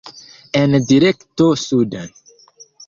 En direkto suden.